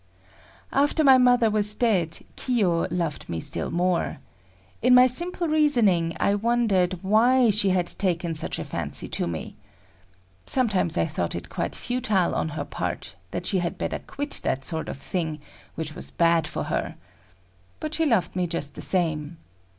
After my mother was dead, Kiyo loved me still more. In my simple reasoning, I wondered why she had taken such a fancy to me. Sometimes I thought it quite futile on her part, that she had better quit that sort of thing, which was bad for her. But she loved me just the same.